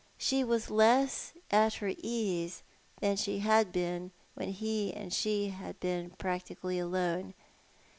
She was less at her ease than she had been when he and she had been practically alone.